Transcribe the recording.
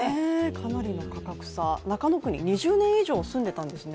かなりの価格差、中野区に２０年以上住んでいたんですね？